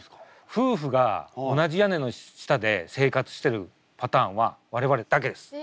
夫婦が同じ屋根の下で生活してるパターンは我々だけです。